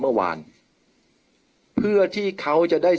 เพื่อยุดยั้งการสืบทอดอำนาจของขอสอชอต่อและยังพร้อมจะเป็นนายกรัฐมนตรี